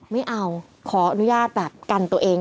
ไม่เอาขออนุญาตแบบกันตัวเอง